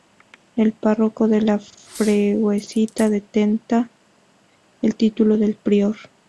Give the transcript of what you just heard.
El párroco de la freguesia detenta el título de prior.